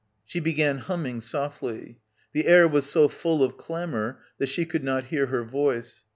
She began humming softly. The air was so full of clamour that she could not hear her voice.